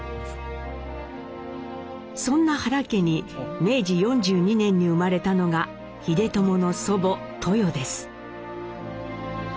そんな原家に明治４２年に生まれたのが英知の祖母豊です。